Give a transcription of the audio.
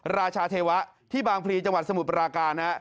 ราชาเทวะที่บางพลีจังหวัดสมุทรปราการ